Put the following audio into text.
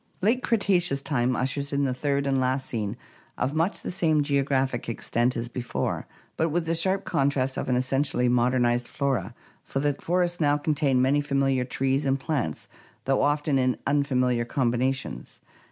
Late Cretaceous time ushers in the third and last scene, of much the same geographic extent as before, but with the sharp contrast of an essentially modernized flora, for the forests now contain many familiar trees and plants though often in unfamiliar combinations.